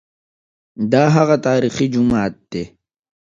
دا هغه تاریخي جومات دی.